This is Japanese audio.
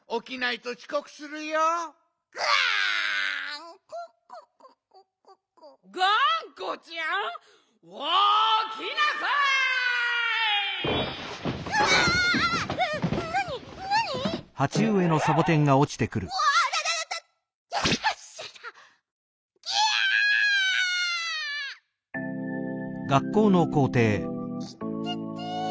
いってて。